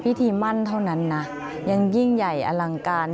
พิธีมั่นเท่านั้นนะยังยิ่งใหญ่อลังการ